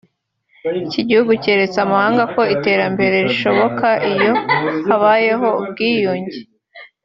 Iki gihugu cyeretse amahanga ko iterambere rishoboka iyo habayeho ubwiyunge